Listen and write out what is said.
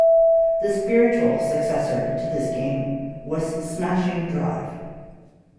The spiritual successor to this game was "Smashing Drive".